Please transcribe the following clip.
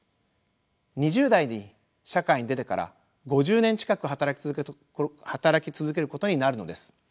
２０代に社会に出てから５０年近く働き続けることになるのです。